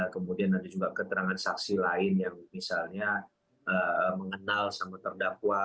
kemudian ada juga keterangan saksi lain yang misalnya mengenal sama terdakwa